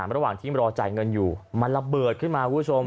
ระหว่างที่รอจ่ายเงินอยู่มันระเบิดขึ้นมาคุณผู้ชม